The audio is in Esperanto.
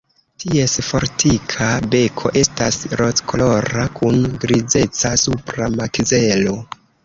Ties fortika beko estas rozkolora kun grizeca supra makzelo.